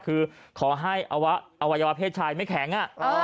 คือขอให้อวัยวะเพศชายไม่แข็ง